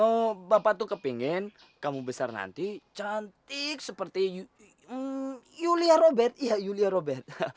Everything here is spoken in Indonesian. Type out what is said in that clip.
engga bapak tuh kepengen kamu besar nanti cantik seperti yulia robert